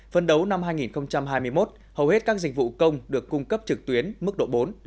phân đấu năm hai nghìn hai mươi một hầu hết các dịch vụ công được cung cấp trực tuyến mức độ bốn